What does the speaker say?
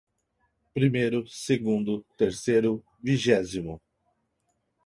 primeiro, segundo, terceiro, vigésimo